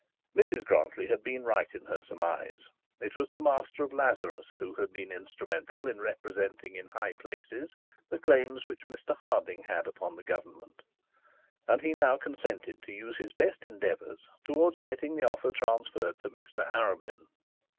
Mrs Grantly had been right in her surmise. It was the Master of Lazarus who had been instrumental in representing in high places the claims of Mr Harding had from the Government; and he now consented to use his best endeavours towards getting the offer transferred to Mr Arabin.